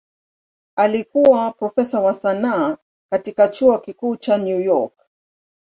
Alikuwa profesa wa sanaa katika Chuo Kikuu cha New York.